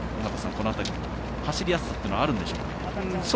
この辺り、走りやすさはあるんでしょうか？